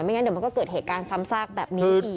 ไม่อย่างนั้นเดี๋ยวมันก็เกิดเหตุการณ์ซ้ำซากแบบนี้